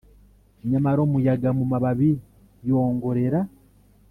nyamara umuyaga mumababi yongorera